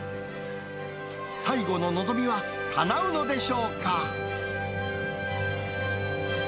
最後の望みはかなうのでしょうか。